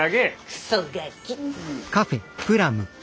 クソガキ。